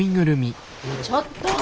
ちょっと！